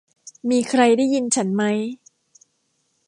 มีใครได้ยินฉันมั้ย